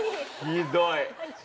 ひどい。